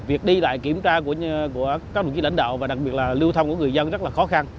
việc đi lại kiểm tra của các đồng chí lãnh đạo và đặc biệt là lưu thông của người dân rất là khó khăn